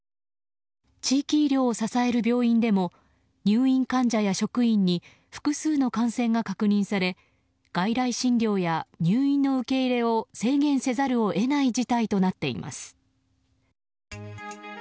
地域医療を支える病院でも入院患者や職員に複数の感染が確認され外来診療や入院の受け入れを制限せざるを得ない事態となっています。